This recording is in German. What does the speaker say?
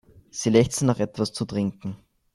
Sie lechzte nach etwas zu trinken.